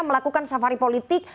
melakukan safari politik